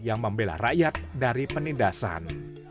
yang membela rakyat dari penindasan